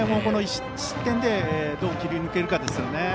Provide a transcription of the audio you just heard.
この失点でどう切り抜けるかですね。